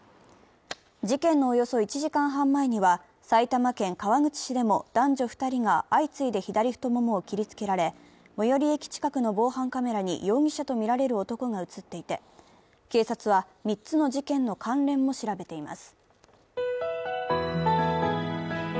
事件のおよそ１時間半前には埼玉県川口市でも男女２人が相次いで左太ももを切りつけられ、最寄り駅近くの防犯カメラに容疑者とみられる男が映っていて、警察は３つの事件の関連も調べています。